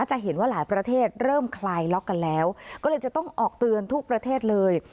จะเห็นว่าหลายประเทศเริ่มคลายล็อกกันแล้วก็เลยจะต้องออกเตือนทุกประเทศเลย